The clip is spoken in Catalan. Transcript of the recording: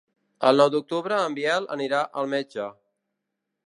El nou d'octubre en Biel anirà al metge.